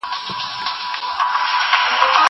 زه بايد ليک ولولم!!